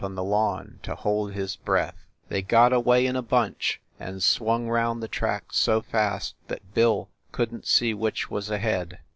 on the lawn to hold his breath. They got away in a bunch and swung round the track so fast that Bill couldn t see which was ahead.